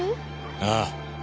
ああ。